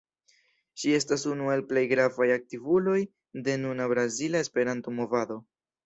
Ŝi estas unu el plej gravaj aktivuloj de nuna brazila Esperanto-Movado.